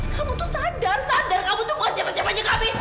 kamu tuh sadar sadar kamu tuh mau siapa siapanya kami